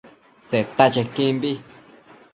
Seta chequimbi